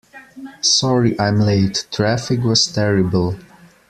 Sorry I’m late - traffic was terrible.